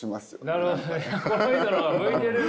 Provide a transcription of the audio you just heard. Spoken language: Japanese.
なるほどね。